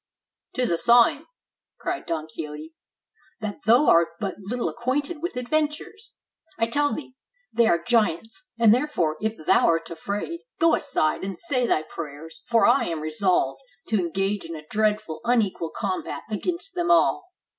"'T is a sign," cried Don Quixote, "that thou art but little acquainted with adventures! I tell thee, they are giants; and therefore, if thou art afraid, go aside and say thy prayers, for I am resolved to engage in a dreadful unequal combat against them all."